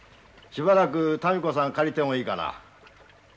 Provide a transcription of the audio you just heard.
しばらく民子さん借りてもいいかな？